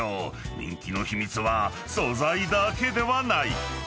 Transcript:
［人気の秘密は素材だけではない］